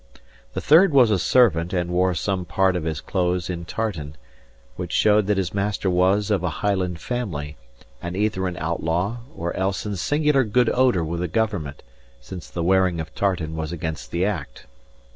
The third was a servant, and wore some part of his clothes in tartan, which showed that his master was of a Highland family, and either an outlaw or else in singular good odour with the Government, since the wearing of tartan was against the Act.